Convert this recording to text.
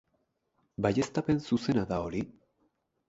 Baieztapen zuzena da hori?